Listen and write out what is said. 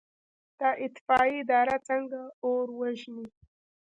د اطفائیې اداره څنګه اور وژني؟